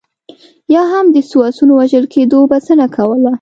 یا هم د څو اسونو وژل کېدو بسنه کوله.